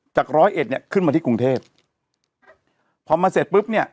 จากร้อยเอ็ดเนี่ยขึ้นมาที่กรุงเทพพอมาเสร็จปุ๊บเนี่ย